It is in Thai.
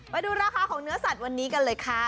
ไปดูราคาของเนื้อสัตว์วันนี้กันเลยค่ะ